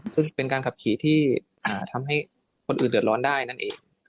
ซึ่งเป็นการขับขี่ที่ทำให้คนอื่นเดือดร้อนได้นั่นเอง